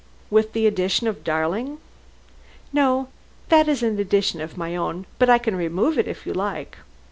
"With the addition of darling?" "No, that is an addition of my own. But I can remove it if you like."